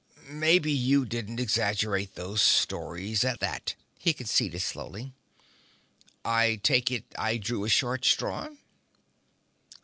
"Maybe you didn't exaggerate those stories at that," he conceded slowly. "I take it I drew a short straw."